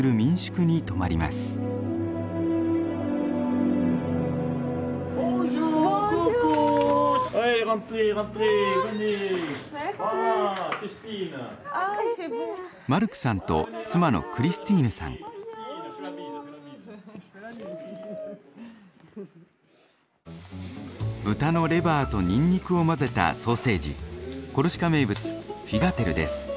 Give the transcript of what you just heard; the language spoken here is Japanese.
豚のレバーとにんにくを混ぜたソーセージコルシカ名物フィガテルです。